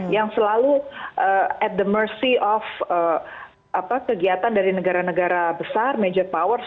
yang selalu at the mercy of kegiatan dari negara negara besar major powers